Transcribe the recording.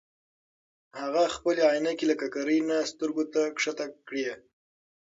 هغه خپلې عینکې له ککرۍ نه سترګو ته ښکته کړې.